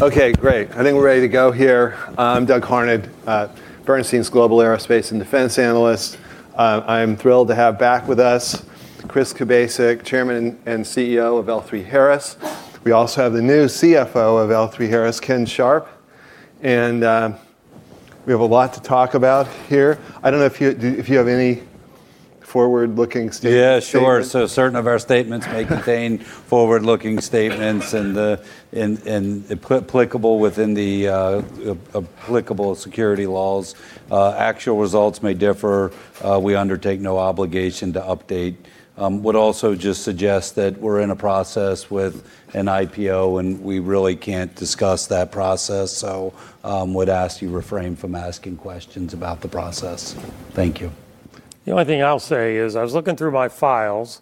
Okay, great. I think we're ready to go here. I'm Doug Harned, Bernstein's Global Aerospace and Defense analyst. I am thrilled to have back with us Chris Kubasik, Chairman and CEO of L3Harris. We also have the new CFO of L3Harris, Ken Sharp, and we have a lot to talk about here. I don't know if you have any forward-looking statements. Yeah, sure. Certain of our statements may contain forward-looking statements and applicable within the applicable security laws. Actual results may differ. We undertake no obligation to update. Would also just suggest that we're in a process with an IPO, and we really can't discuss that process. Would ask you refrain from asking questions about the process. Thank you. The only thing I'll say is, I was looking through my files,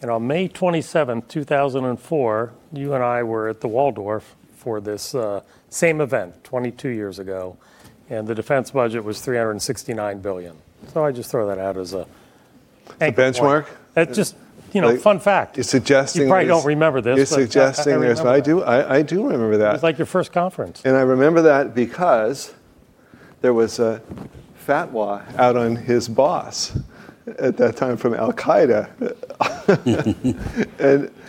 and on May 27th, 2004, you and I were at the Waldorf for this same event 22 years ago, and the defense budget was $369 billion. A benchmark? Just a fun fact. You're suggesting there's- You probably don't remember this. You're suggesting I do remember that. It was like your first conference. I remember that because there was a fatwa out on his boss at that time from Al-Qaeda.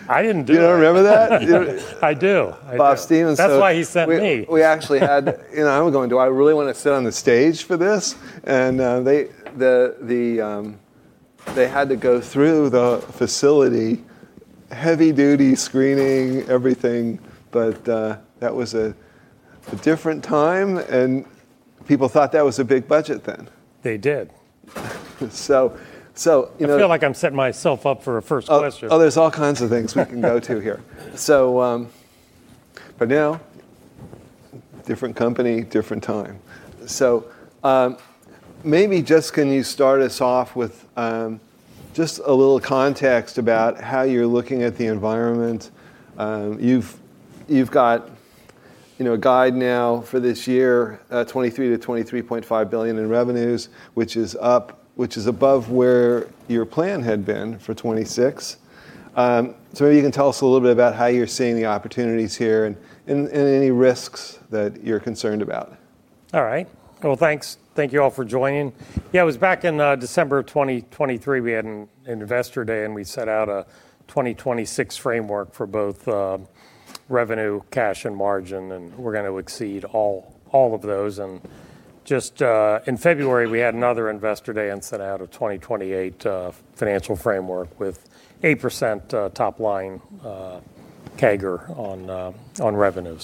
I didn't do that. You don't remember that? I do. Bob Stevens. That's why he sent me. We actually I'm going, "Do I really want to sit on the stage for this?" They had to go through the facility, heavy-duty screening, everything. That was a different time, and people thought that was a big budget then. They did. So- I feel like I'm setting myself up for a first question. Oh, there's all kinds of things we can go to here. But now, different company, different time. Maybe just can you start us off with just a little context about how you're looking at the environment. You've got a guide now for this year at $23 billion-$23.5 billion in revenues, which is above where your plan had been for 2026. Maybe you can tell us a little bit about how you're seeing the opportunities here and any risks that you're concerned about. All right. Well, thanks. Thank you all for joining. It was back in December of 2023, we had an investor day, and we set out a 2026 framework for both revenue, cash, and margin, and we're going to exceed all of those. Just in February, we had another investor day and set out a 2028 financial framework with 8% top line CAGR on revenue.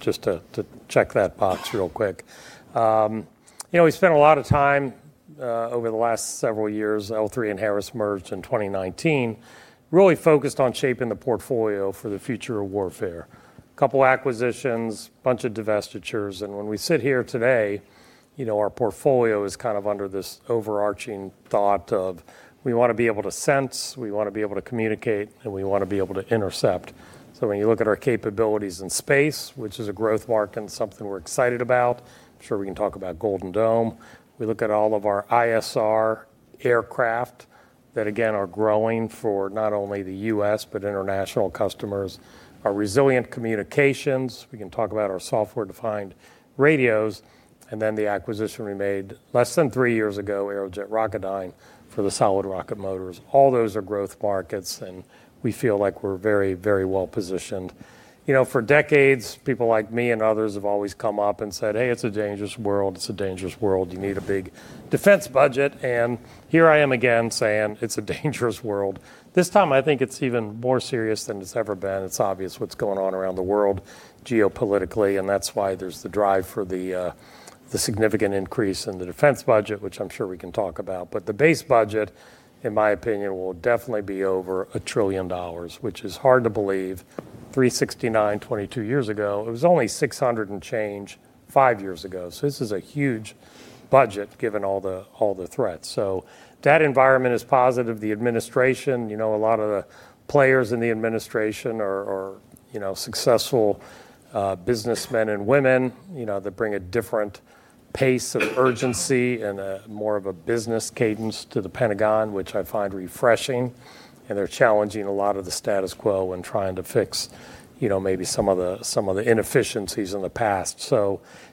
Just to check that box real quick. We spent a lot of time over the last several years, L3 and Harris merged in 2019, really focused on shaping the portfolio for the future of warfare. Couple acquisitions, bunch of divestitures. When we sit here today, our portfolio is kind of under this overarching thought of we want to be able to sense, we want to be able to communicate, and we want to be able to intercept. When you look at our capabilities in space, which is a growth market and something we're excited about, I'm sure we can talk about Golden Dome. We look at all of our ISR aircraft that, again, are growing for not only the U.S. but international customers. Our resilient communications, we can talk about our software-defined radios, and then the acquisition we made less than three years ago, Aerojet Rocketdyne, for the solid rocket motors. All those are growth markets, and we feel like we're very well positioned. For decades, people like me and others have always come up and said, "Hey, it's a dangerous world. It's a dangerous world. You need a big defense budget." Here I am again saying, "It's a dangerous world." This time, I think it's even more serious than it's ever been. It's obvious what's going on around the world geopolitically, and that's why there's the drive for the significant increase in the defense budget, which I'm sure we can talk about. The base budget, in my opinion, will definitely be over $1 trillion, which is hard to believe. $369 billion 22 years ago. It was only $600 billion and change five years ago. This is a huge budget given all the threats. That environment is positive. The administration, a lot of the players in the administration are successful businessmen and women that bring a different pace of urgency and more of a business cadence to the Pentagon, which I find refreshing. They're challenging a lot of the status quo and trying to fix maybe some of the inefficiencies in the past.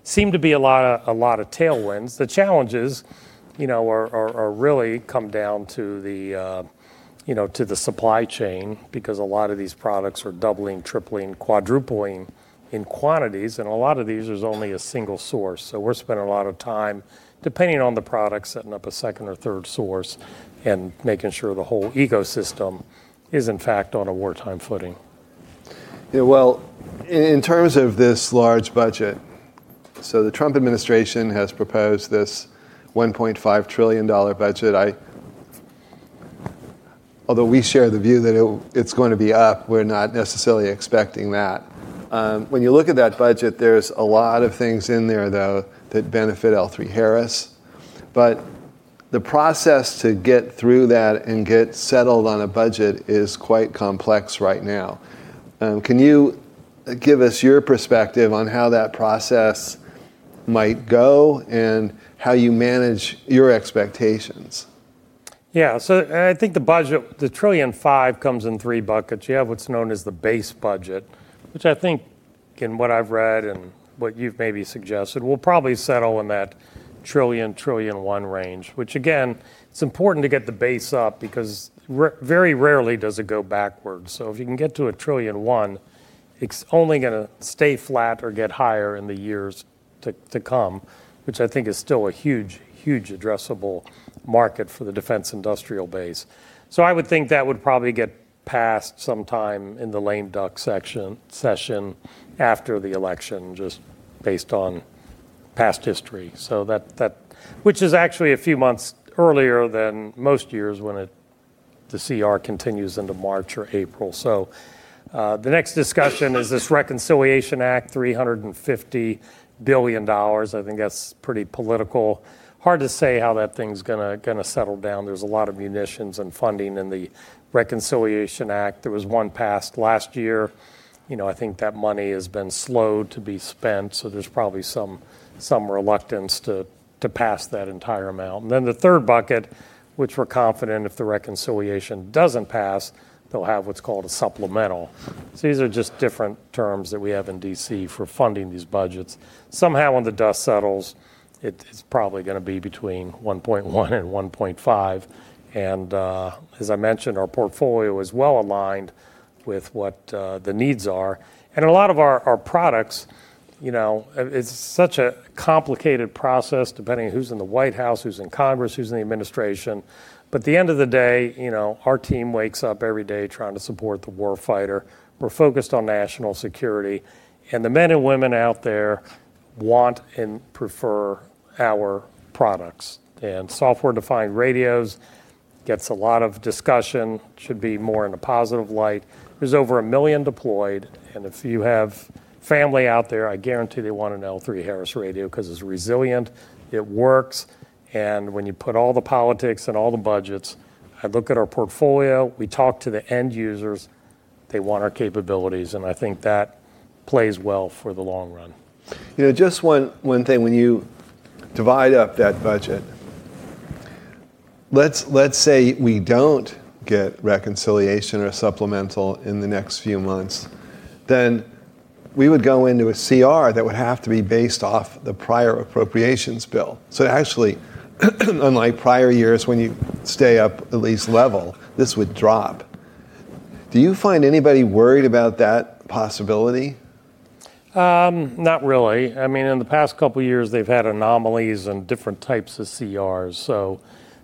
Seem to be a lot of tailwinds. The challenges really come down to the supply chain because a lot of these products are doubling, tripling, quadrupling in quantities, and a lot of these, there's only a single source. We're spending a lot of time, depending on the product, setting up a second or third source and making sure the whole ecosystem is, in fact, on a wartime footing. Yeah. Well, in terms of this large budget, so the Trump administration has proposed this $1.5 trillion budget. Although we share the view that it's going to be up, we're not necessarily expecting that. When you look at that budget, there's a lot of things in there, though, that benefit L3Harris. The process to get through that and get settled on a budget is quite complex right now. Can you give us your perspective on how that process might go and how you manage your expectations? I think the $1.5 trillion comes in three buckets. You have what's known as the base budget, which I think in what I've read and what you've maybe suggested, we will probably settle in that $1 trillion-$1.1 trillion range, which again, it is important to get the base up because very rarely does it go backwards. If you can get to a $1.1 trillion, it is only going to stay flat or get higher in the years to come, which I think is still a huge addressable market for the defense industrial base. I would think that would probably get passed sometime in the lame duck session after the election, just based on past history. Which is actually a few months earlier than most years when the CR continues into March or April. The next discussion is this Reconciliation Act, $350 billion. I think that is pretty political. Hard to say how that thing's going to settle down. There's a lot of munitions and funding in the Reconciliation Act. There was one passed last year. I think that money has been slowed to be spent. There's probably some reluctance to pass that entire amount. The third bucket, which we're confident if the reconciliation doesn't pass, they'll have what's called a supplemental. These are just different terms that we have in D.C. for funding these budgets. Somehow when the dust settles, it's probably going to be between $1.1 billion and $1.5 billion, and as I mentioned, our portfolio is well-aligned with what the needs are. A lot of our products, it's such a complicated process, depending on who's in the White House, who's in Congress, who's in the administration. At the end of the day, our team wakes up every day trying to support the warfighter. We're focused on national security, and the men and women out there want and prefer our products. Software-defined radios gets a lot of discussion, should be more in a positive light. There's over a million deployed. If you have family out there, I guarantee they want an L3Harris radio because it's resilient, it works. When you put all the politics and all the budgets, I look at our portfolio, we talk to the end users, they want our capabilities. I think that plays well for the long run. Just one thing. When you divide up that budget, let's say we don't get reconciliation or supplemental in the next few months. We would go into a CR that would have to be based off the prior appropriations bill. Actually, unlike prior years, when you stay up at least level, this would drop. Do you find anybody worried about that possibility? Not really. In the past couple of years, they've had anomalies and different types of CRs.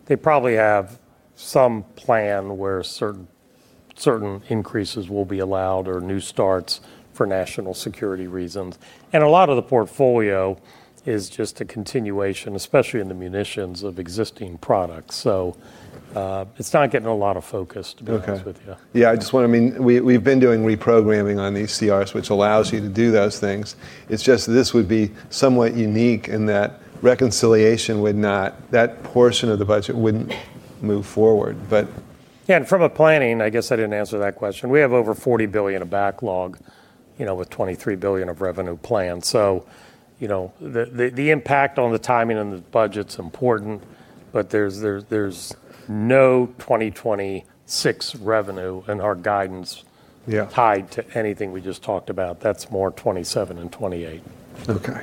They probably have some plan where certain increases will be allowed or new starts for national security reasons. A lot of the portfolio is just a continuation, especially in the munitions of existing products. It's not getting a lot of focus, to be honest with you. Okay. Yeah, we've been doing reprogramming on these CRs, which allows you to do those things. It is just this would be somewhat unique in that Reconciliation would not, that portion of the budget wouldn't move forward. Yeah. From a planning, I guess I didn't answer that question. We have over $40 billion of backlog, with $23 billion of revenue planned. The impact on the timing and the budget's important, but there's no 2026 revenue- Yeah -tied to anything we just talked about. That's more 2027 and 2028. Okay.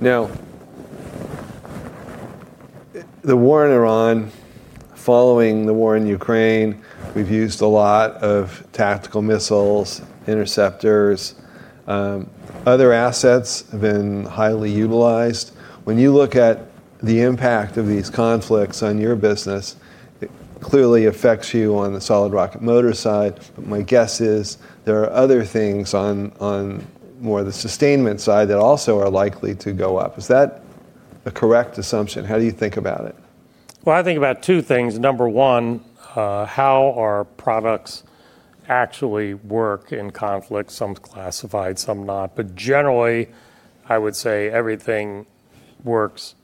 Now, the war in Iran, following the war in Ukraine, we've used a lot of tactical missiles, interceptors. Other assets have been highly utilized. When you look at the impact of these conflicts on your business, it clearly affects you on the solid rocket motor side, but my guess is there are other things on more the sustainment side that also are likely to go up. Is that a correct assumption? How do you think about it? Well, I think about two things. Number one, how our products actually work in conflict, some classified, some not. Generally, I would say everything works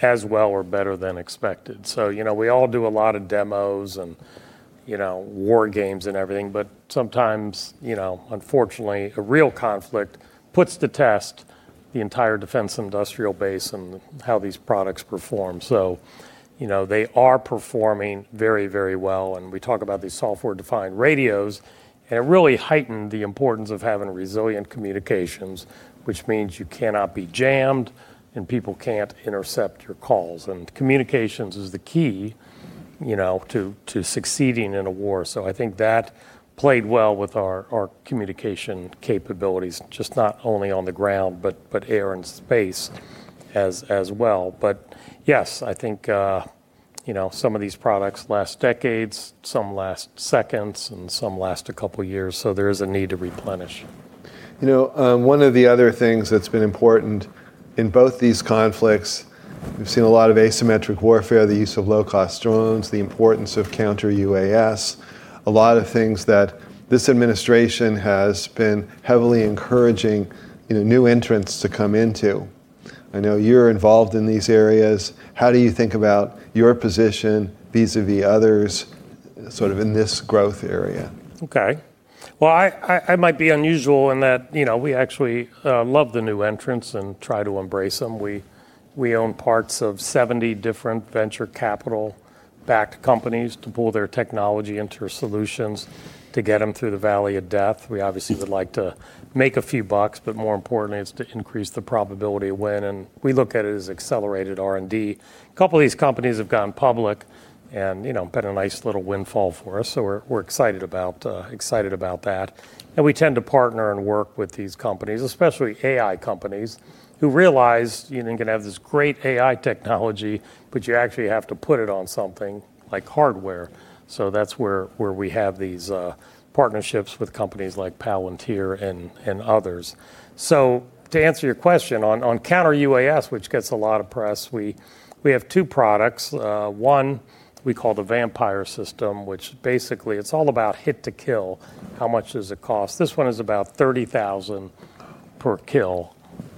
as well or better than expected. We all do a lot of demos and war games and everything, but sometimes, unfortunately, a real conflict puts to test the entire defense industrial base and how these products perform. They are performing very well, and we talk about these software-defined radios, and it really heightened the importance of having resilient communications, which means you cannot be jammed, and people can't intercept your calls. Communications is the key to succeeding in a war. I think that played well with our communication capabilities, just not only on the ground, but air and space as well. Yes, I think some of these products last decades, some last seconds, and some last a couple of years, so there is a need to replenish. One of the other things that's been important in both these conflicts, we've seen a lot of asymmetric warfare, the use of low-cost drones, the importance of counter-UAS, a lot of things that this administration has been heavily encouraging new entrants to come into. I know you're involved in these areas. How do you think about your position vis-à-vis others? Sort of in this growth area. Okay. Well, I might be unusual in that we actually love the new entrants and try to embrace them. We own parts of 70 different venture capital-backed companies to pull their technology into our solutions to get them through the valley of death. We obviously would like to make a few bucks, but more importantly, it's to increase the probability of win, and we look at it as accelerated R&D. A couple of these companies have gone public and been a nice little windfall for us. We're excited about that. We tend to partner and work with these companies, especially AI companies, who realize you can have this great AI technology, but you actually have to put it on something, like hardware. That's where we have these partnerships with companies like Palantir and others. To answer your question on counter-UAS, which gets a lot of press, we have two products. One we call the VAMPIRE System, which basically it's all about hit to kill. How much does it cost? This one is about $30,000 per kill,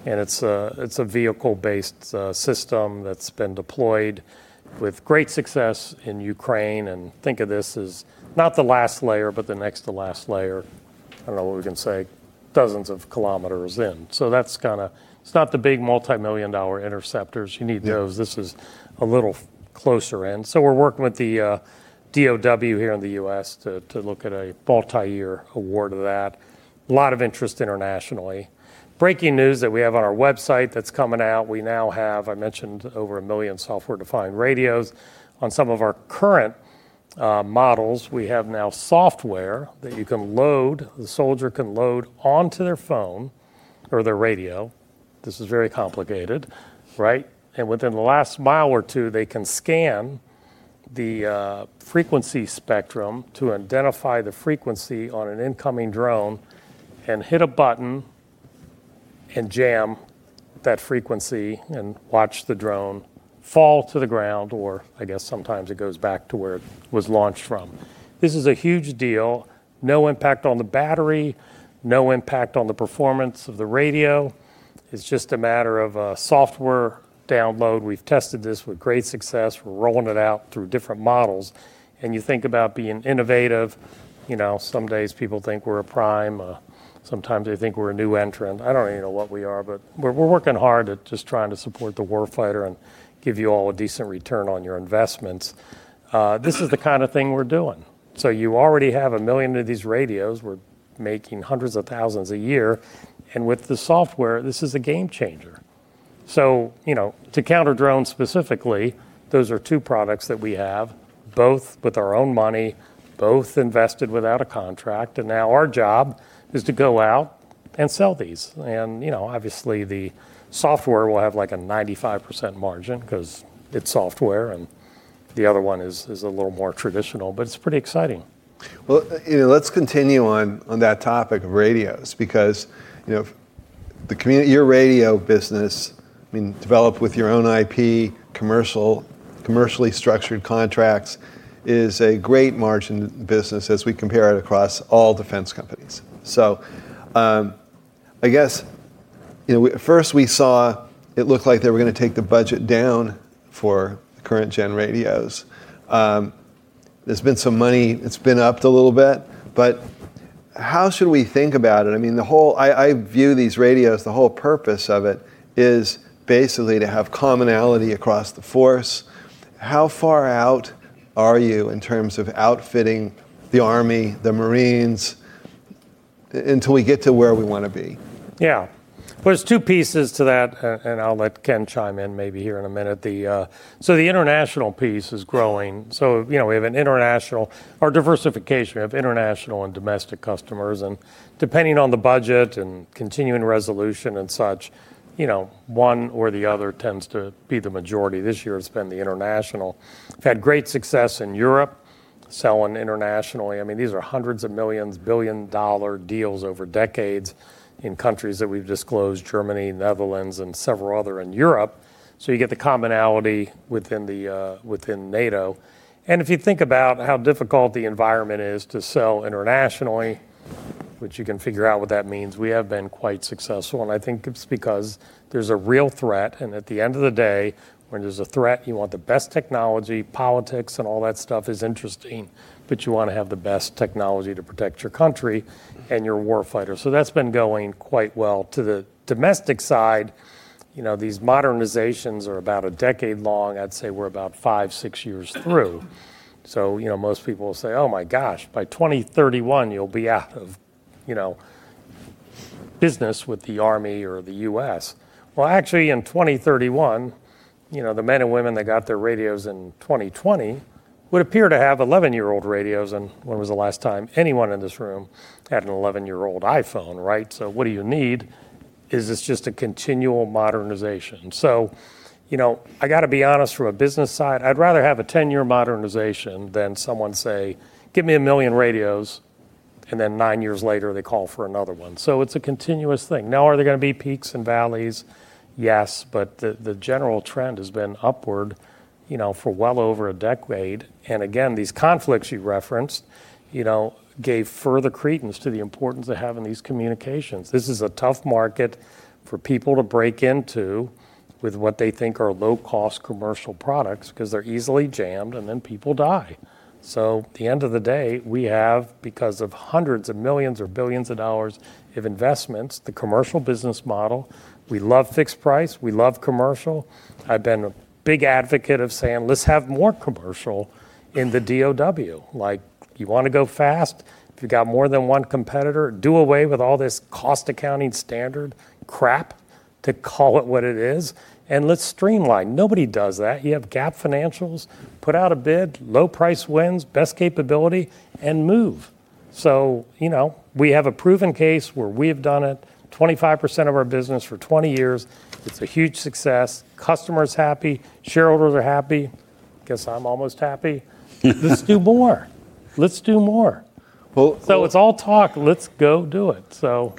and it's a vehicle-based system that's been deployed with great success in Ukraine. Think of this as not the last layer, but the next to last layer. I don't know what we can say, dozens of kilometers in. It's not the big multimillion-dollar interceptors. You need those. Yeah. This is a little closer in. We're working with the DoD here in the U.S. to look at a multi-year award of that. A lot of interest internationally. Breaking news that we have on our website that's coming out, we now have, I mentioned, over a million software-defined radios. On some of our current models, we have now software that the soldier can load onto their phone or their radio. This is very complicated, right? Within the last mile or two, they can scan the frequency spectrum to identify the frequency on an incoming drone and hit a button and jam that frequency and watch the drone fall to the ground, or I guess sometimes it goes back to where it was launched from. This is a huge deal. No impact on the battery, no impact on the performance of the radio. It's just a matter of a software download. We've tested this with great success. We're rolling it out through different models. You think about being innovative. Some days people think we're a prime. Sometimes they think we're a new entrant. I don't even know what we are, but we're working hard at just trying to support the war fighter and give you all a decent return on your investments. This is the kind of thing we're doing. You already have a million of these radios. We're making hundreds of thousands a year. With the software, this is a game changer. To counter drones specifically, those are two products that we have, both with our own money, both invested without a contract, and now our job is to go out and sell these. Obviously the software will have a 95% margin because it's software, and the other one is a little more traditional, but it's pretty exciting. Let's continue on that topic of radios because your radio business, developed with your own IP, commercially structured contracts, is a great margin business as we compare it across all defense companies. I guess, at first we saw it looked like they were going to take the budget down for the current gen radios. There's been some money. It's been upped a little bit. How should we think about it? I view these radios, the whole purpose of it is basically to have commonality across the force. How far out are you in terms of outfitting the Army, the Marines, until we get to where we want to be? Yeah. Well, there's two pieces to that, and I'll let Ken chime in maybe here in a minute. The international piece is growing. Our diversification, we have international and domestic customers, and depending on the budget and continuing resolution and such, one or the other tends to be the majority. This year it's been the international. We've had great success in Europe selling internationally. These are hundreds of millions, billion-dollar deals over decades in countries that we've disclosed, Germany, Netherlands, and several others in Europe. You get the commonality within NATO. If you think about how difficult the environment is to sell internationally, which you can figure out what that means, we have been quite successful. I think it's because there's a real threat, and at the end of the day, when there's a threat, you want the best technology. Politics and all that stuff is interesting, but you want to have the best technology to protect your country and your warfighter. That's been going quite well. To the domestic side, these modernizations are about a decade long. I'd say we're about five, six years through. Most people will say, "Oh my gosh, by 2031 you'll be out of business with the Army or the U.S." Well, actually in 2031, the men and women that got their radios in 2020 would appear to have 11-year-old radios. When was the last time anyone in this room had an 11-year-old iPhone, right? What do you need? Is this just a continual modernization? I got to be honest, from a business side, I'd rather have a 10-year modernization than someone say, "Give me a million radios." And then nine years later, they call for another one. It's a continuous thing. Now, are there going to be peaks and valleys? Yes, but the general trend has been upward for well over a decade. Again, these conflicts you referenced, gave further credence to the importance of having these communications. This is a tough market for people to break into with what they think are low-cost commercial products because they're easily jammed and then people die. At the end of the day, we have, because of hundreds of millions or billions of dollars of investments, the commercial business model. We love fixed price, we love commercial. I've been a big advocate of saying, "Let's have more commercial in the DoD." You want to go fast, if you've got more than one competitor, do away with all this Cost Accounting Standards crap, to call it what it is, and let's streamline. Nobody does that. You have GAAP financials, put out a bid, low price wins, best capability, move. We have a proven case where we've done it, 25% of our business for 20 years. It's a huge success. Customers happy, shareholders are happy. Guess I'm almost happy. Let's do more. Let's do more. Well- -It's all talk. Let's go do it. So-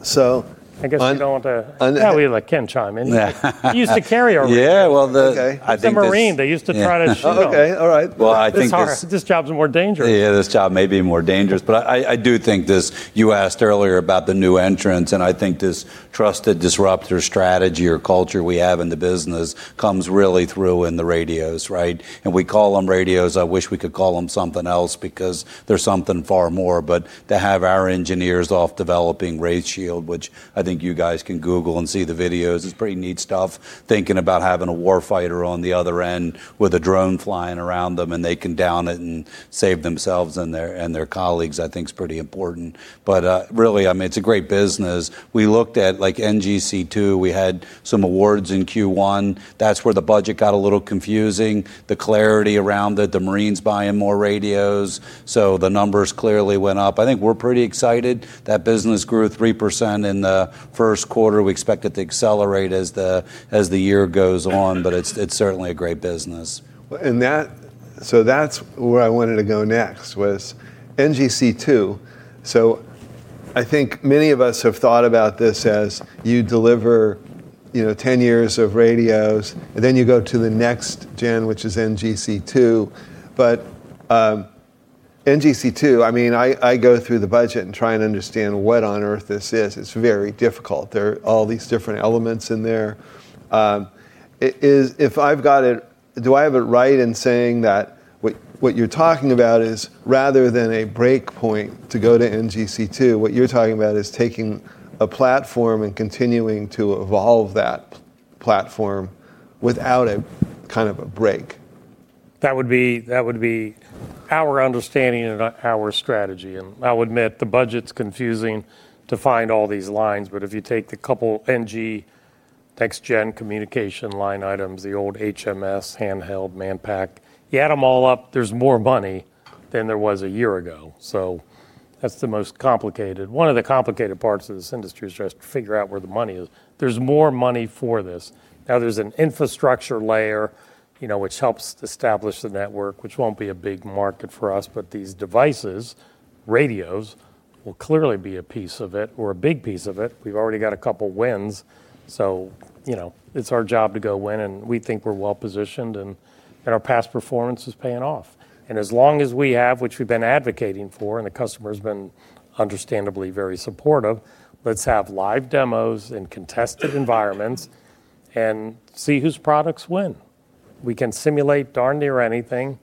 I guess you don't want to- Un- Yeah, we let Ken chime in. Yeah. You used to carry a radio. Yeah, well- Okay. I think this- He's a Marine, they're used to trying to shout. Oh, okay. All right. Well, I think. It's harder. This job's more dangerous. Yeah, this job may be more dangerous, but I do think this, you asked earlier about the new entrants, and I think this trusted disruptor strategy or culture we have in the business comes really through in the radios, right? We call them radios, I wish we could call them something else because they're something far more. To have our engineers off developing RayShield, which I think you guys can Google and see the videos, it's pretty neat stuff. Thinking about having a war fighter on the other end with a drone flying around them, and they can down it and save themselves and their colleagues I think is pretty important. Really, it's a great business. We looked at NGC2, we had some awards in Q1. That's where the budget got a little confusing. The clarity around it, the Marines buying more radios, so the numbers clearly went up. I think we're pretty excited that business grew 3% in the Q1. We expect it to accelerate as the year goes on, but it's certainly a great business. That's where I wanted to go next was NGC2. I think many of us have thought about this as you deliver 10 years of radios, and then you go to the next gen, which is NGC2. NGC2, I go through the budget and try and understand what on earth this is. It's very difficult. There are all these different elements in there. Do I have it right in saying that what you're talking about is, rather than a break point to go to NGC2, what you're talking about is taking a platform and continuing to evolve that platform without a break? That would be our understanding and our strategy, and I'll admit the budget's confusing to find all these lines, but if you take the couple NG next gen communication line items, the old HMS, handheld, manpack, you add them all up, there's more money than there was a year ago. That's the most complicated. One of the complicated parts of this industry is trying to figure out where the money is. There's more money for this. There's an infrastructure layer, which helps establish the network, which won't be a big market for us, but these devices, radios, will clearly be a piece of it, or a big piece of it. We've already got a couple wins, so it's our job to go win, and we think we're well-positioned and our past performance is paying off. As long as we have, which we've been advocating for, and the customer's been understandably very supportive, let's have live demos in contested environments and see whose products win. We can simulate darn near anything.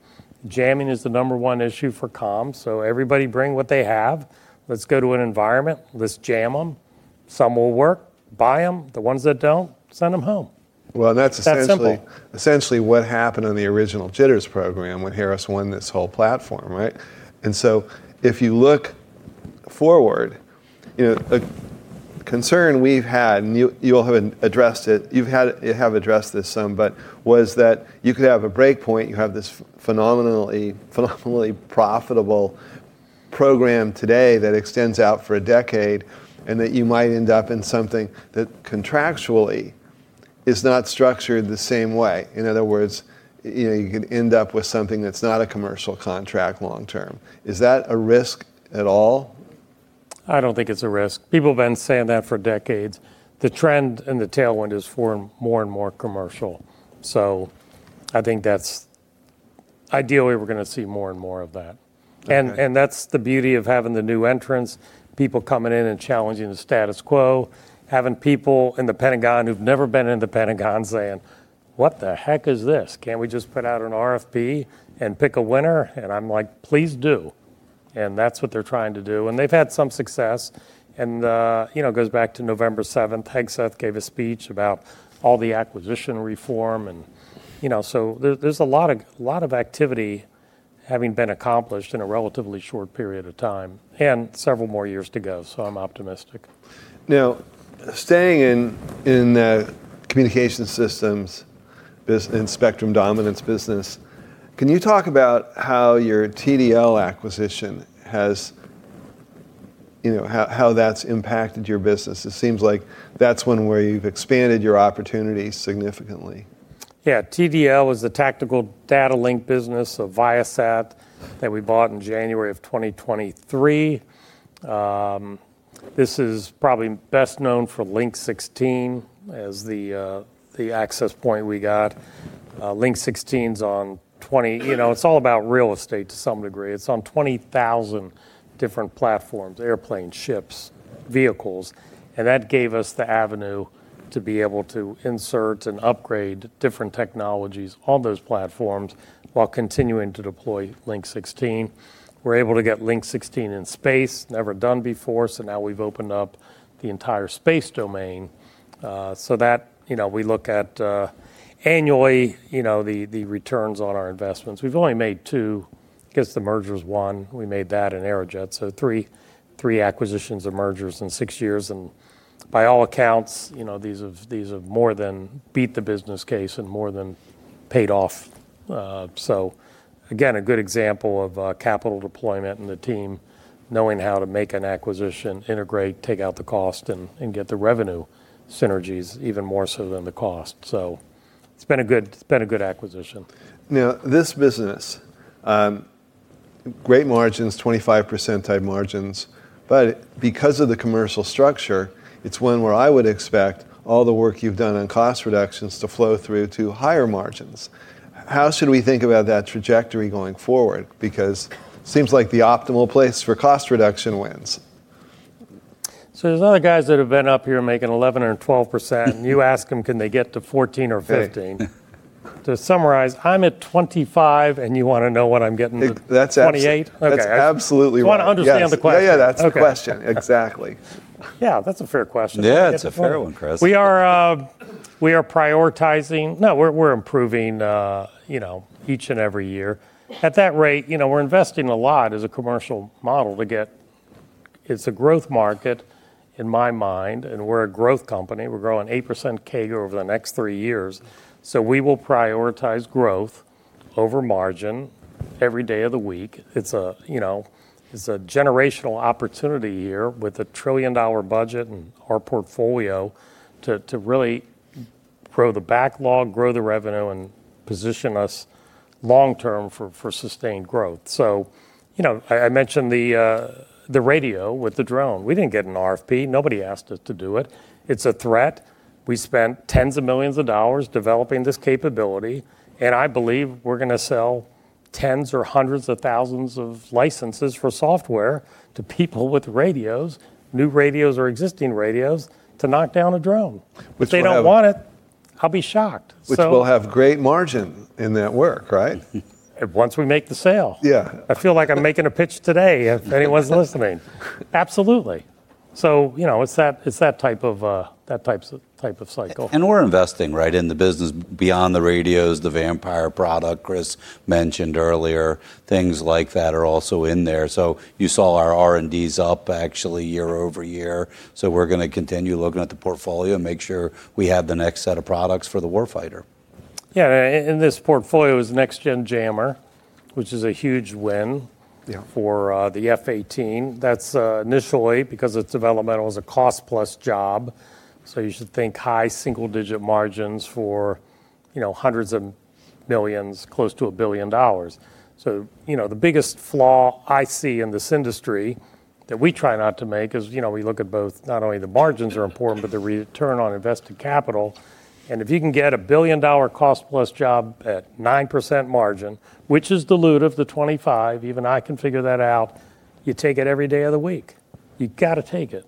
Jamming is the number one issue for comms, everybody bring what they have. Let's go to an environment, let's jam them. Some will work, buy them. The ones that don't, send them home. Well, and that's essentially- It's that simple. Essentially what happened in the original JTRS program when Harris won this whole platform, right? If you look forward, a concern we've had, and you all have addressed it. You have addressed this some, but was that you could have a break point. You have this phenomenally profitable program today that extends out for a decade, and that you might end up in something that contractually is not structured the same way. In other words, you could end up with something that's not a commercial contract long-term. Is that a risk at all? I don't think it's a risk. People have been saying that for decades. The trend and the tailwind is for more and more commercial. I think ideally, we're going to see more and more of that. Okay. That's the beauty of having the new entrants, people coming in and challenging the status quo, having people in the Pentagon who've never been in the Pentagon saying, "What the heck is this? Can't we just put out an RFP and pick a winner?" I'm like, "Please do." That's what they're trying to do, and they've had some success. It goes back to November 7th, Hegseth gave a speech about all the acquisition reform. There's a lot of activity having been accomplished in a relatively short period of time, and several more years to go. I'm optimistic. Staying in communication systems and spectrum dominance business, can you talk about how your TDL acquisition has impacted your business? It seems like that's one where you've expanded your opportunity significantly. TDL is the Tactical Data Links business of Viasat that we bought in January of 2023. This is probably best known for Link 16 as the access point we got. It's all about real estate to some degree. It's on 20,000 different platforms, airplane, ships, vehicles, and that gave us the avenue to be able to insert and upgrade different technologies on those platforms while continuing to deploy Link 16. We're able to get Link 16 in space. Never done before, so now we've opened up the entire space domain. That, we look at annually, the returns on our investments. We've only made two, because the merger is one. We made that and Aerojet, three acquisitions or mergers in six years. By all accounts, these have more than beat the business case and more than paid off. Again, a good example of capital deployment and the team knowing how to make an acquisition, integrate, take out the cost, and get the revenue synergies even more so than the cost. It's been a good acquisition. Now, this business, great margins, 25 percentile margins. Because of the commercial structure, it's one where I would expect all the work you've done on cost reductions to flow through to higher margins. How should we think about that trajectory going forward? Seems like the optimal place for cost reduction wins. There's other guys that have been up here making 11% or 12%, and you ask them can they get to 14% or 15%. To summarize, I'm at 25%, and you want to know what I'm getting to. That's ab- 28. Okay. That's absolutely right. I understand the question. Yeah. That's the question. Exactly. Yeah. That's a fair question. Yeah. It's a fair one, Chris. We're improving each and every year. At that rate, we're investing a lot as a commercial model. It's a growth market in my mind, and we're a growth company. We're growing 8% CAGR over the next three years. We will prioritize growth over margin every day of the week. It's a generational opportunity here with a $1 trillion budget and our portfolio to really grow the backlog, grow the revenue, and position us long term for sustained growth. I mentioned the radio with the drone. We didn't get an RFP. Nobody asked us to do it. It's a threat. We spent tens of millions of dollars developing this capability, and I believe we're going to sell tens or hundreds of thousands of licenses for software to people with radios, new radios or existing radios, to knock down a drone. Which will have- If they don't want it, I'll be shocked. Which will have great margin in that work, right? Once we make the sale. Yeah. I feel like I'm making a pitch today if anyone's listening. Absolutely. It's that type of cycle. We're investing in the business beyond the radios, the VAMPIRE product Chris mentioned earlier, things like that are also in there. You saw our R&D's up actually year-over-year. We're going to continue looking at the portfolio and make sure we have the next set of products for the warfighter. Yeah. In this portfolio is Next Generation Jammer, which is a huge win. Yeah -for the F/A-18. That's initially because it's developmental, is a cost-plus job. You should think high single-digit margins for hundreds of millions, close to $1 billion. The biggest flaw I see in this industry that we try not to make is we look at both, not only the margins are important, but the return on invested capital. If you can get a billion-dollar cost-plus job at 9% margin, which is dilute of the 25%, even I can figure that out, you take it every day of the week. You got to take it.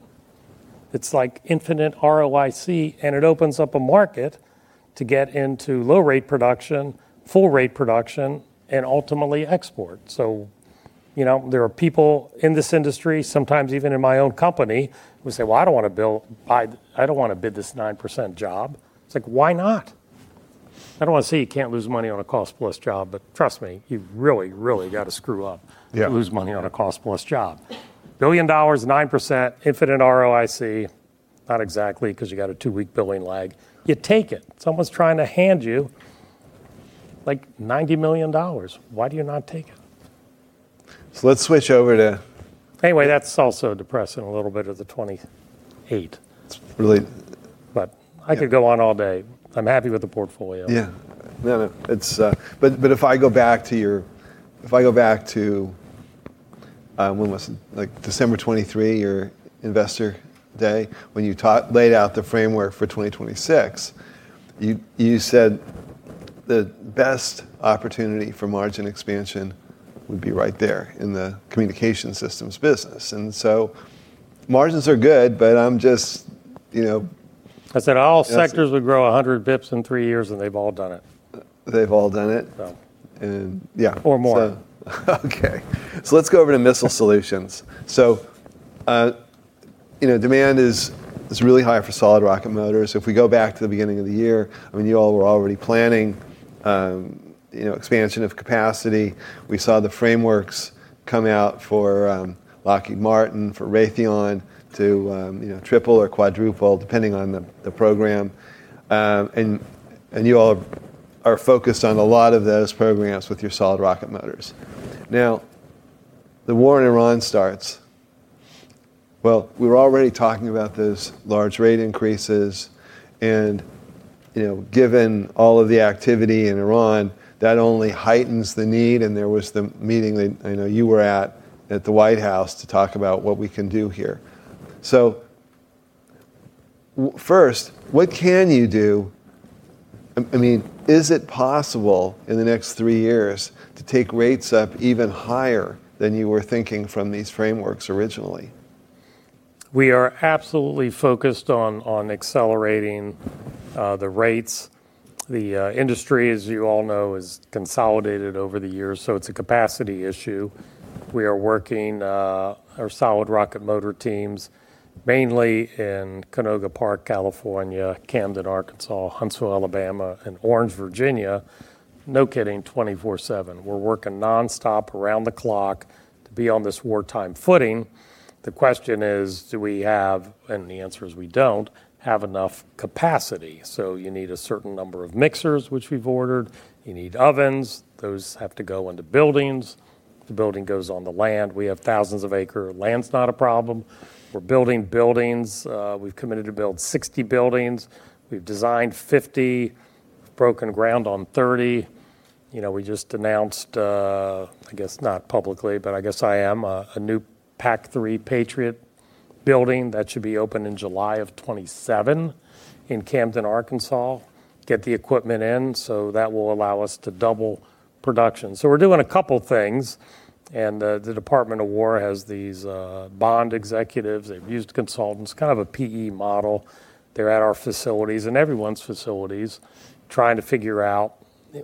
It's like infinite ROIC, it opens up a market to get into low rate production, full rate production, and ultimately export. There are people in this industry, sometimes even in my own company, who say, "Well, I don't want to bid this 9% job." It's like, why not? I don't want to say you can't lose money on a cost-plus job, but trust me, you've really, really got to screw up. Yeah to lose money on a cost-plus job. billion dollars, 9%, infinite ROIC. Not exactly, because you got a two-week billing lag. You take it. Someone's trying to hand you $90 million. Why do you not take it? Let's switch over- That's also depressing, a little bit of the 28. It's really- I could go on all day. I'm happy with the portfolio. Yeah. No, no. If I go back to, when was it, December 23, your investor day, when you laid out the framework for 2026, you said the best opportunity for margin expansion would be right there in the communication systems business. Margins are good, but I'm just. I said all sectors would grow 100 basis points in three years. They've all done it. They've all done it. So. Yeah. More. Okay. Let's go over to Missile Solutions. Demand is really high for solid rocket motors. If we go back to the beginning of the year, you all were already planning expansion of capacity. We saw the frameworks come out for Lockheed Martin, for Raytheon to triple or quadruple, depending on the program. You all are focused on a lot of those programs with your solid rocket motors. The war in Iran starts. Well, we were already talking about those large rate increases, and given all of the activity in Iran, that only heightens the need. There was the meeting that I know you were at the White House, to talk about what we can do here. First, what can you do? Is it possible in the next three years to take rates up even higher than you were thinking from these frameworks originally? We are absolutely focused on accelerating the rates. The industry, as you all know, has consolidated over the years, so it's a capacity issue. We are working our solid rocket motor teams, mainly in Canoga Park, California, Camden, Arkansas, Huntsville, Alabama, and Orange, Virginia, no kidding, 24/7. We're working non-stop around the clock to be on this wartime footing. The question is, do we have, and the answer is we don't, have enough capacity. You need a certain number of mixers, which we've ordered. You need ovens. Those have to go into buildings. The building goes on the land. We have thousands of acres. Land's not a problem. We're building buildings. We've committed to build 60 buildings. We've designed 50, broken ground on 30. We just announced, I guess not publicly, but I guess I am, a new PAC-3 Patriot building that should be open in July of 2027 in Camden, Arkansas. Get the equipment in. That will allow us to double production. We're doing a couple of things, and the Department of War has these BOND executives. They've used consultants, kind of a PE model. They're at our facilities, and everyone's facilities, trying to figure out,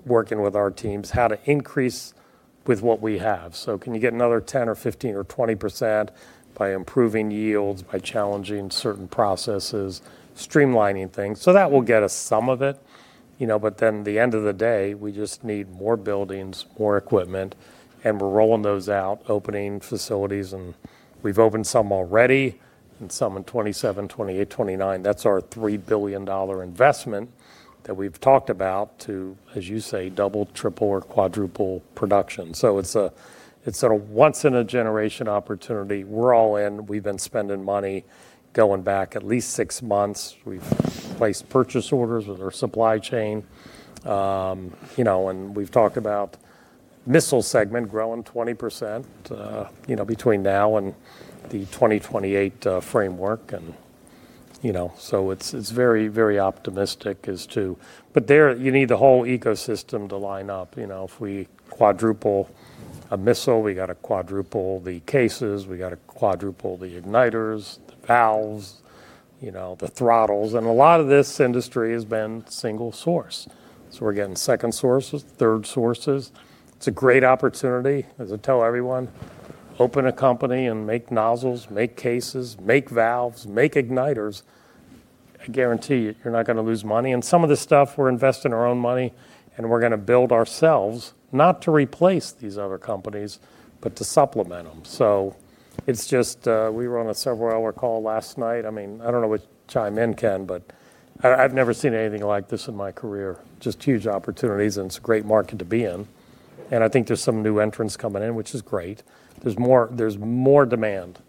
working with our teams, how to increase with what we have. Can you get another 10% or 15% or 20% by improving yields, by challenging certain processes, streamlining things? That will get us some of it. At the end of the day, we just need more buildings, more equipment, and we're rolling those out, opening facilities, and we've opened some already and some in 2027, 2028, 2029. That's our $3 billion investment that we've talked about to, as you say, double, triple, or quadruple production. It's a once in a generation opportunity. We're all in. We've been spending money going back at least six months. We've placed purchase orders with our supply chain. We've talked about Missile segment growing 20% between now and the 2028 framework. It's very optimistic as to. There, you need the whole ecosystem to line up. If we quadruple a missile, we got to quadruple the cases, we got to quadruple the igniters, the valves, the throttles. A lot of this industry has been single source. We're getting second sources, third sources. It's a great opportunity. As I tell everyone, open a company and make nozzles, make cases, make valves, make igniters. I guarantee you're not going to lose money. Some of this stuff we're investing our own money, and we're going to build ourselves, not to replace these other companies, but to supplement them. It's just, we were on a several-hour call last night. I don't know which chime in Ken, but I've never seen anything like this in my career, just huge opportunities, and it's a great market to be in. I think there's some new entrants coming in, which is great. There's more demand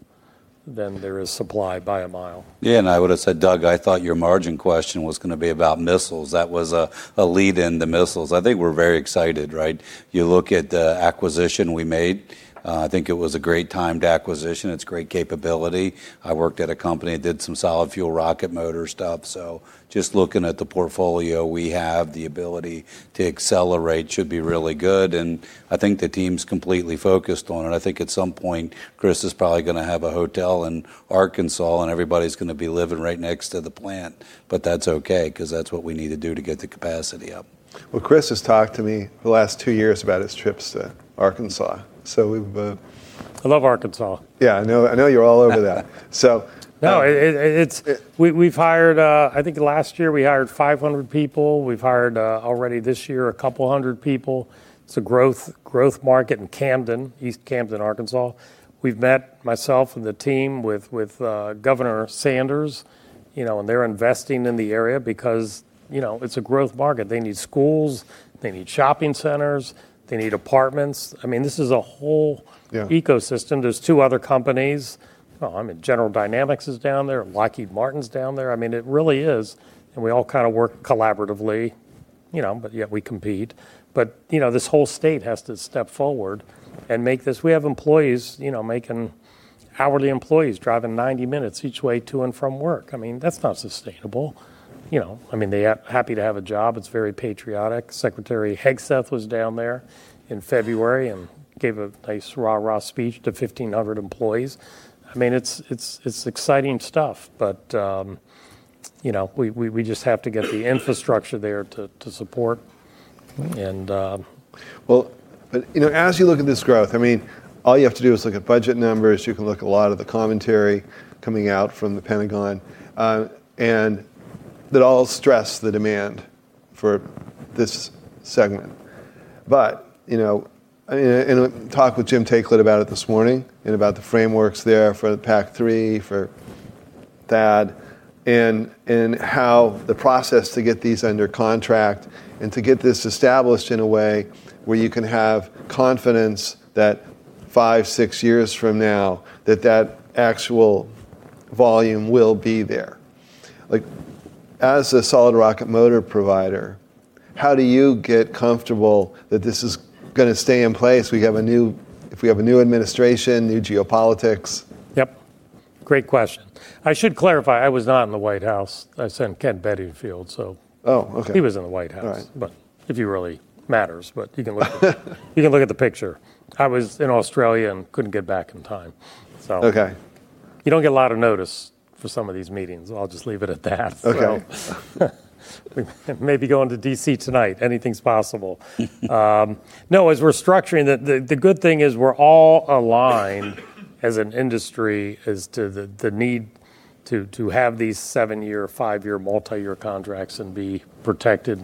than there is supply by a mile. I would've said, Doug, I thought your margin question was going to be about missiles. That was a lead in the missiles. I think we're very excited, right? You look at the acquisition we made. I think it was a great time to acquisition. It's great capability. I worked at a company that did some solid rocket motors. Just looking at the portfolio, we have the ability to accelerate should be really good, and I think the team's completely focused on it. I think at some point, Chris is probably going to have a hotel in Arkansas, and everybody's going to be living right next to the plant. That's okay because that's what we need to do to get the capacity up. Well, Chris has talked to me the last two years about his trips to Arkansas. I love Arkansas. Yeah, I know you're all over that so- I think last year we hired 500 people. We've hired, already this year, a couple hundred people. It's a growth market in Camden. East Camden, Arkansas. We've met, myself and the team, with Governor Sanders, and they're investing in the area because it's a growth market. They need schools. They need shopping centers. They need apartments. This is a whole- Yeah -ecosystem. There are two other companies. Oh, General Dynamics is down there. Lockheed Martin's down there. It really is. We all kind of work collaboratively, but yet we compete. This whole state has to step forward and make this. We have hourly employees driving 90 minutes each way to and from work. That's not sustainable. They are happy to have a job. It's very patriotic. Secretary Hegseth was down there in February and gave a nice rah-rah speech to 1,500 employees. It's exciting stuff. We just have to get the infrastructure there to support. Well, as you look at this growth, all you have to do is look at budget numbers. You can look at a lot of the commentary coming out from the Pentagon, that all stress the demand for this segment. In a talk with Jim Taiclet about it this morning and about the frameworks there for the PAC-3 for THAAD and in how the process to get these under contract and to get this established in a way where you can have confidence that five, six years from now, that that actual volume will be there. As a solid rocket motor provider, how do you get comfortable that this is going to stay in place if we have a new administration, new geopolitics? Yep. Great question. I should clarify, I was not in the White House. I sent Ken Bedingfield. Oh, okay. He was in the White House. All right. If he really matters, but You can look at the picture. I was in Australia and couldn't get back in time. Okay. You don't get a lot of notice for some of these meetings, I'll just leave it at that. Okay. Maybe going to D.C. tonight, anything's possible. No, as we're structuring, the good thing is we're all aligned as an industry as to the need to have these seven-year, five-year, multi-year contracts and be protected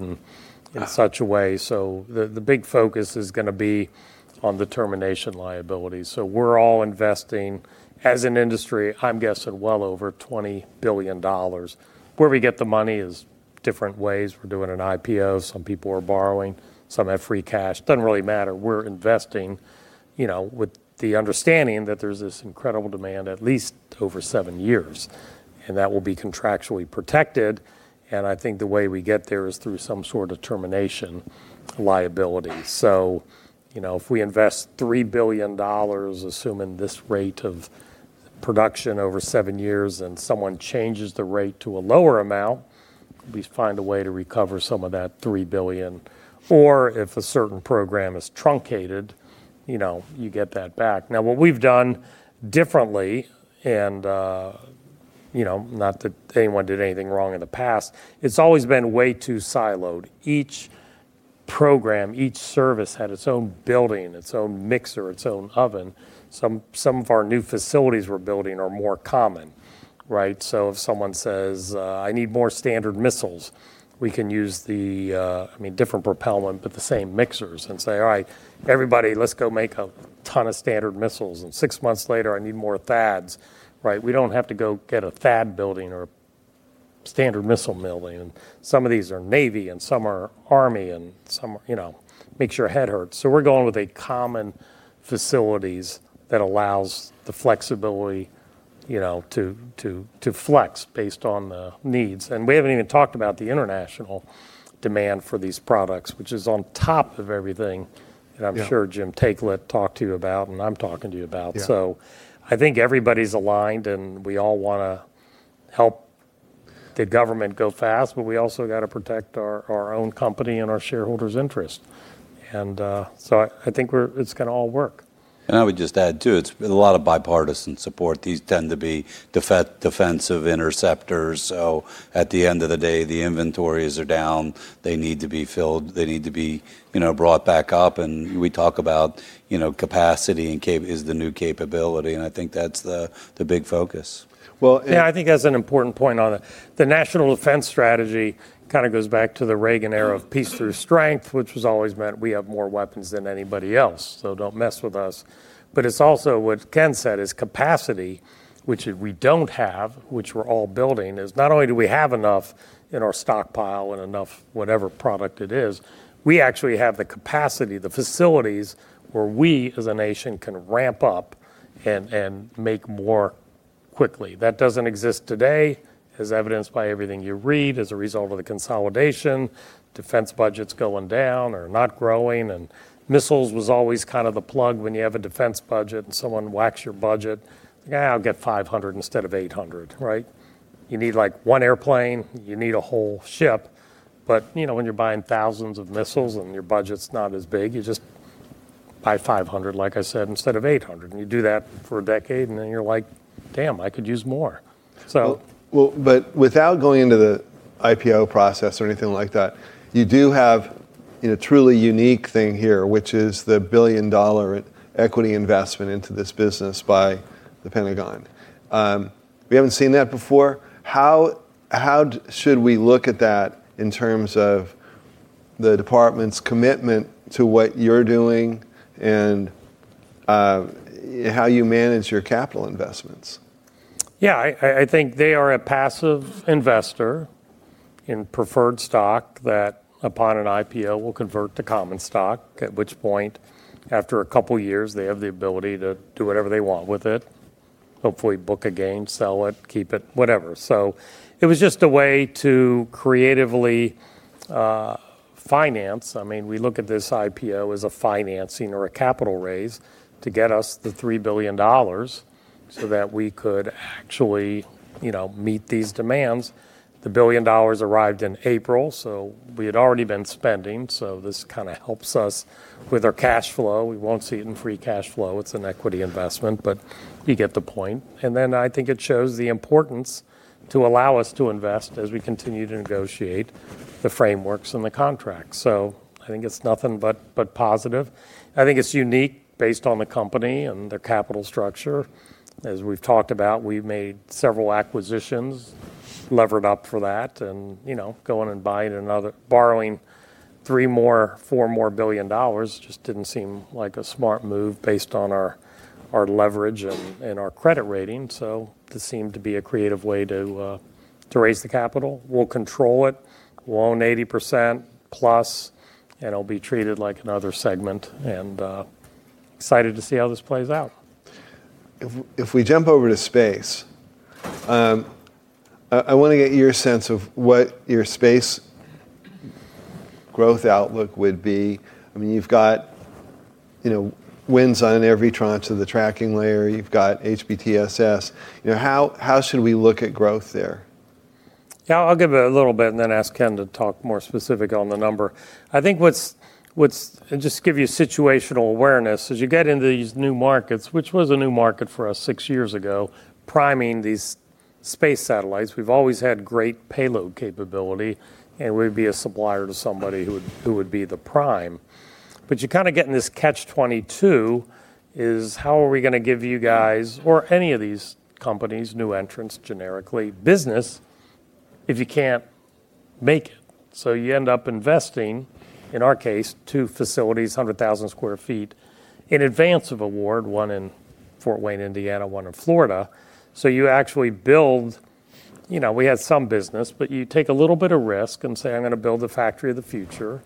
in such a way. The big focus is going to be on the termination liability. We're all investing, as an industry, I'm guessing well over $20 billion. Where we get the money is different ways. We're doing an IPO, some people are borrowing, some have free cash. Doesn't really matter. We're investing with the understanding that there's this incredible demand at least over seven years, and that will be contractually protected, and I think the way we get there is through some sort of termination liability. If we invest $3 billion, assuming this rate of production over seven years, and someone changes the rate to a lower amount, at least find a way to recover some of that $3 billion. If a certain program is truncated, you get that back. What we've done differently and, not that anyone did anything wrong in the past, it's always been way too siloed. Each program, each service had its own building, its own mixer, its own oven. Some of our new facilities we're building are more common. If someone says, "I need more Standard Missiles," we can use the, I mean, different propellant, but the same mixers and say, "All right." Everybody, let's go make a ton of Standard Missiles. Six months later, I need more THAADs. We don't have to go get a THAAD building or a Standard Missile building. Some of these are Navy, and some are Army and some are-makes your head hurt. We're going with a common facilities that allows the flexibility to flex based on the needs. We haven't even talked about the international demand for these products, which is on top of everything. Yeah I'm sure Jim Taiclet talked to you about, and I'm talking to you about. Yeah. I think everybody's aligned, and we all want to help the government go fast, but we also got to protect our own company and our shareholders' interest. I think it's going to all work. I would just add, too, it's a lot of bipartisan support. These tend to be defensive interceptors, so at the end of the day, the inventories are down. They need to be filled. They need to be brought back up. We talk about capacity is the new capability, and I think that's the big focus. Well, and- I think that's an important point on it. The National Defense Strategy kind of goes back to the Reagan era of peace through strength, which was always meant we have more weapons than anybody else, so don't mess with us. It's also what Ken said, is capacity, which we don't have, which we're all building, is not only do we have enough in our stockpile and enough whatever product it is, we actually have the capacity, the facilities where we, as a nation, can ramp up and make more quickly. That doesn't exist today, as evidenced by everything you read, as a result of the consolidation, defense budget's going down or not growing. Missiles was always kind of the plug when you have a defense budget and someone whacks your budget, "I'll get 500 instead of 800." You need one airplane, you need a whole ship, but when you're buying thousands of missiles and your budget's not as big, you just buy 500 like I said, instead of 800. You do that for a decade, then you're like, "Damn, I could use more. Well, without going into the IPO process or anything like that, you do have a truly unique thing here, which is the $1 billion equity investment into this business by the Pentagon. We haven't seen that before. How should we look at that in terms of the department's commitment to what you're doing and how you manage your capital investments? I think they are a passive investor in preferred stock that upon an IPO, will convert to common stock, at which point, after a couple of years, they have the ability to do whatever they want with it. Hopefully book a gain, sell it, keep it, whatever. It was just a way to creatively finance. We look at this IPO as a financing or a capital raise to get us the $3 billion so that we could actually meet these demands. The $1 billion arrived in April. We had already been spending, so this kind of helps us with our cash flow. We won't see it in free cash flow. It's an equity investment. You get the point. I think it shows the importance to allow us to invest as we continue to negotiate the frameworks and the contracts. I think it's nothing but positive. I think it's unique based on the company and their capital structure. As we've talked about, we've made several acquisitions lever it up for that and going and buying another, borrowing $3 billion more, $4 billion just didn't seem like a smart move based on our leverage and our credit rating. This seemed to be a creative way to raise the capital. We'll control it. We'll own 80% plus, and it'll be treated like another segment, and excited to see how this plays out. If we jump over to space, I want to get your sense of what your space growth outlook would be. You've got wins on every tranche of the tracking layer. You've got HBTSS. How should we look at growth there? Yeah, I'll give it a little bit and then ask Ken to talk more specific on the number. Just give you situational awareness, as you get into these new markets, which was a new market for us six years ago, priming these space satellites. We've always had great payload capability, and we'd be a supplier to somebody who would be the prime. You kind of get in this catch-22 is how are we going to give you guys or any of these companies, new entrants, generically, business if you can't make it? You end up investing, in our case, two facilities, 100,000 sq ft, in advance of award, one in Fort Wayne, Indiana, one in Florida. You actually build-- We had some business, but you take a little bit of risk and say, "I'm going to build the factory of the future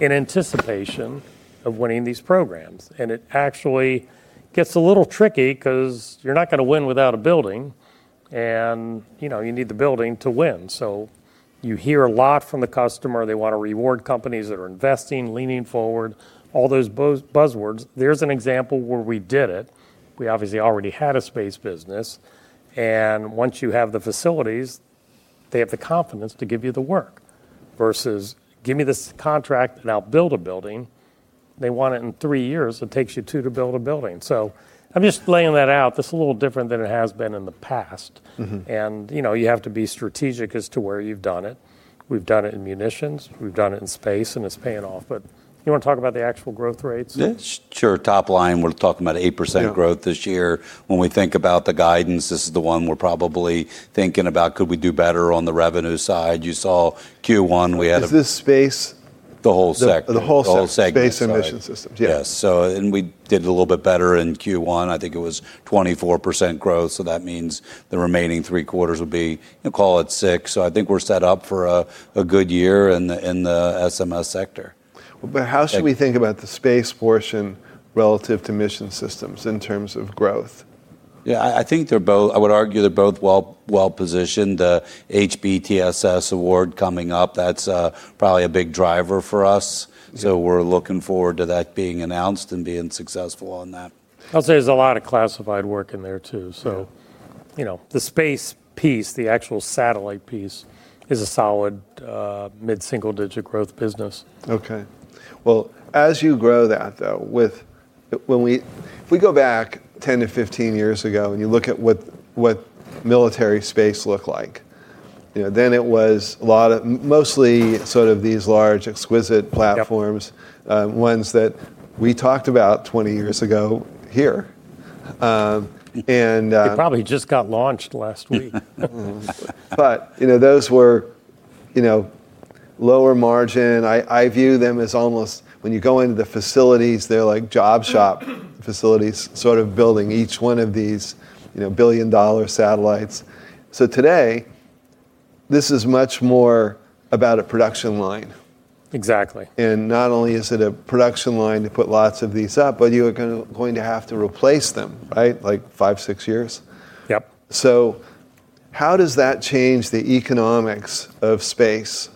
in anticipation of winning these programs." It actually gets a little tricky because you're not going to win without a building, and you need the building to win. You hear a lot from the customer. They want to reward companies that are investing, leaning forward, all those buzzwords. There's an example where we did it. We obviously already had a space business, and once you have the facilities, they have the confidence to give you the work, versus, "Give me this contract and I'll build a building." They want it in three years, it takes you two to build a building. I'm just laying that out. That's a little different than it has been in the past. You have to be strategic as to where you've done it. We've done it in munitions, we've done it in space, and it's paying off. You want to talk about the actual growth rates? Yeah. Sure. Top line, we're talking about 8% growth- Yeah -this year. When we think about the guidance, this is the one we're probably thinking about, could we do better on the revenue side? You saw Q1. Is this Space? The whole sector. The whole sector. The whole segment, sorry. Space and Mission Systems. Yeah. Yes. And we did a little bit better in Q1. I think it was 24% growth, so that means the remaining three quarters would be, call it six. I think we're set up for a good year in the SMS sector. How should we think about the space portion relative to Mission Systems in terms of growth? Yeah, I would argue they're both well-positioned. The HBTSS award coming up, that's probably a big driver for us. We're looking forward to that being announced and being successful on that. I'll say there's a lot of classified work in there, too. Yeah. The space piece, the actual satellite piece, is a solid mid-single digit growth business. Okay. Well, as you grow that, though, if we go back 10 to 15 years ago, and you look at what military space looked like. It was mostly sort of these large, exquisite platforms. Ones that we talked about 20 years ago here. It probably just got launched last week. Those were lower margin. I view them as almost when you go into the facilities, they're like job shop facilities, sort of building each one of these billion-dollar satellites. Today, this is much more about a production line. Exactly. Not only is it a production line to put lots of these up, but you are going to have to replace them, right, like five, six years. Yep. How does that change the economics of space?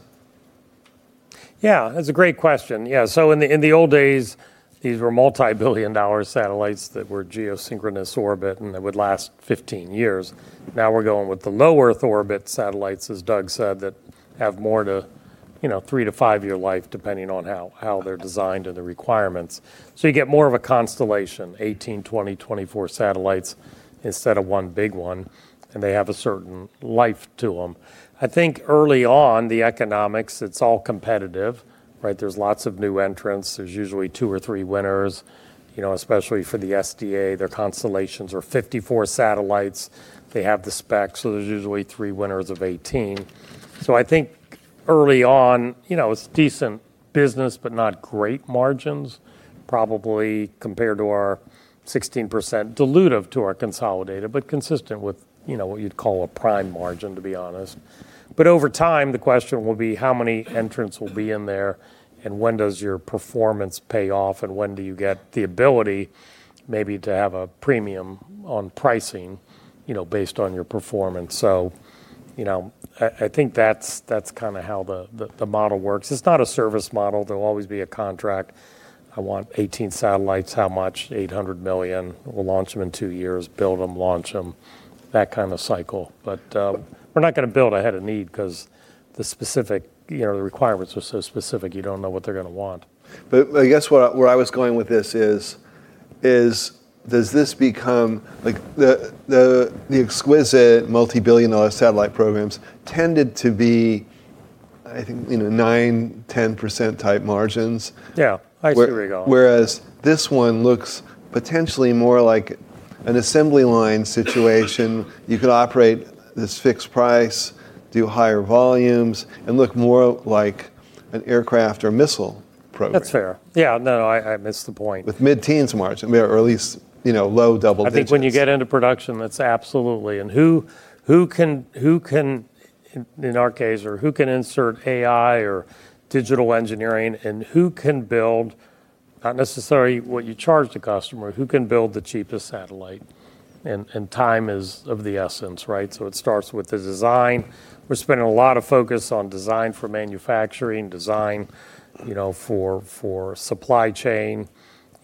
That's a great question. Yeah. In the old days, these were multi-billion dollar satellites that were geosynchronous orbit, and they would last 15 years. Now we're going with the low Earth orbit satellites, as Doug said, that have more to three to five-year life, depending on how they're designed or the requirements. You get more of a constellation, 18, 20, 24 satellites instead of one big one, and they have a certain life to them. I think early on, the economics, it's all competitive, right? There's lots of new entrants. There's usually two or three winners, especially for the SDA. Their constellations are 54 satellites. They have the specs, so there's usually three winners of 18. I think early on, it's decent business, but not great margins, probably compared to our 16%, dilutive to our consolidated, but consistent with what you'd call a prime margin, to be honest. Over time, the question will be how many entrants will be in there and when does your performance pay off, and when do you get the ability maybe to have a premium on pricing based on your performance? I think that's kind of how the model works. It's not a service model. There'll always be a contract. I want 18 satellites. How much? $800 million. We'll launch them in two years. Build them, launch them, that kind of cycle. We're not going to build ahead of need because the requirements are so specific, you don't know what they're going to want. I guess where I was going with this is the exquisite multi-billion dollar satellite programs tended to be I think, 9%, 10% type margins. Yeah. I see where you're going. This one looks potentially more like an assembly line situation. You could operate this fixed price, do higher volumes, and look more like an aircraft or missile program. That's fair. Yeah, no, I missed the point. With mid-teens margin, or at least low double digits. I think when you get into production, it's absolutely, and who can, in our case, or who can insert AI or digital engineering and who can build, not necessarily what you charge the customer, who can build the cheapest satellite? Time is of the essence, right? It starts with the design. We're spending a lot of focus on design for manufacturing, design for supply chain.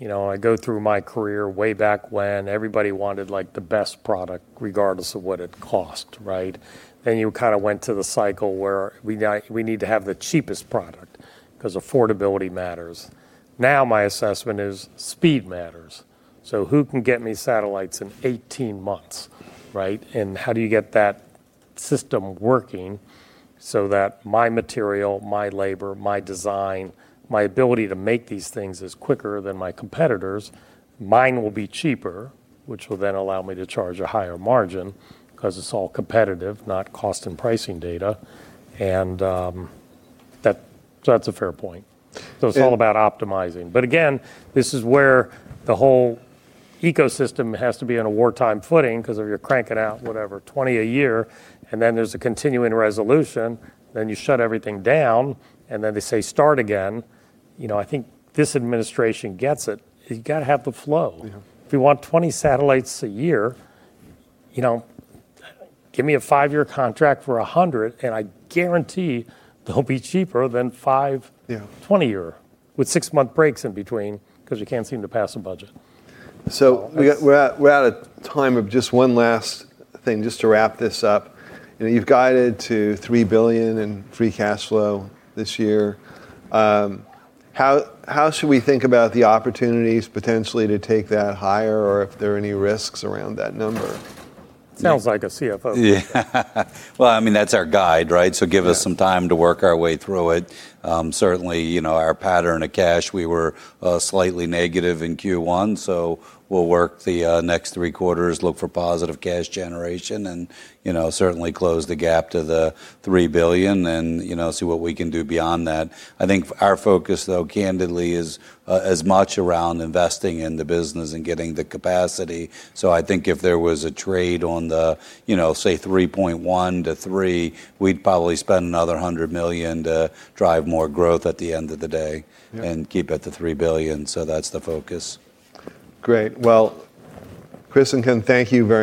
I go through my career way back when everybody wanted the best product, regardless of what it cost, right? You kind of went to the cycle where we need to have the cheapest product, because affordability matters. My assessment is speed matters. Who can get me satellites in 18 months, right? How do you get that system working so that my material, my labor, my design, my ability to make these things is quicker than my competitor's, mine will be cheaper, which will then allow me to charge a higher margin, because it's all competitive, not cost and pricing data. That's a fair point. It's all about optimizing. Again, this is where the whole ecosystem has to be on a wartime footing, because if you're cranking out, whatever, 20 a year, and then there's a continuing resolution, then you shut everything down, and then they say, "Start again." I think this administration gets it. You got to have the flow. Yeah. If you want 20 satellites a year, give me a five-year contract for 100, and I guarantee they'll be cheaper than five- Yeah -20 year, with six-month breaks in between, because we can't seem to pass a budget. We're at a time of just one last thing, just to wrap this up. You've guided to $3 billion in free cash flow this year. How should we think about the opportunities potentially to take that higher or if there are any risks around that number? Sounds like a CFO. Well, that's our guide, right? Give us some time to work our way through it. Certainly, our pattern of cash, we were slightly negative in Q1. We'll work the next three quarters, look for positive cash generation and certainly close the gap to the $3 billion and see what we can do beyond that. I think our focus, though, candidly, is as much around investing in the business and getting the capacity. I think if there was a trade on the say $3.1 billion to $3 billion, we'd probably spend another $100 million to drive more growth at the end of the day. Yeah keep it to $3 billion. That's the focus. Great. Well, Chris and Ken, thank you very much.